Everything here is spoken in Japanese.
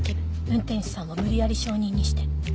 運転手さんを無理やり証人にして